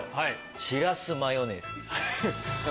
しらすマヨネーズ。